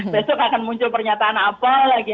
besok akan muncul pernyataan apa lagi